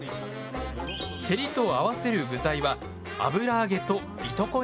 せりと合わせる具材は油揚げと糸